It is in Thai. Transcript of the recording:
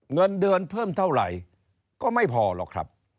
เงินเดือนเพิ่มเท่าไหร่ก็ไม่พอหรอกครับ